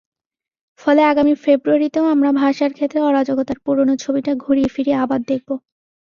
ফলে আগামী ফেব্রুয়ারিতেও আমরা ভাষার ক্ষেত্রে অরাজকতার পুরোনো ছবিটা ঘুরিয়ে-ফিরিয়ে আবার দেখব।